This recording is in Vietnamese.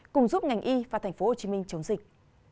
cùng giúp ngành y và tp hcm chống dịch